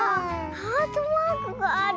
ハートマークがある。